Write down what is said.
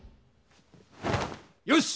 よし！